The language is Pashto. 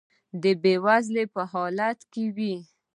د بې وزنۍ په حالت کې وي.